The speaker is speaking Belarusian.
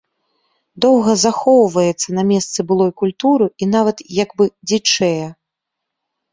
Доўга захоўваецца на месцы былой культуры і нават як бы дзічэе.